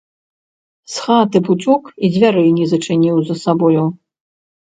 З хаты б уцёк і дзвярэй не зачыніў за сабою.